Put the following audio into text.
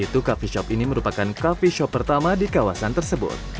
itu coffee shop ini merupakan coffee shop pertama di kawasan tersebut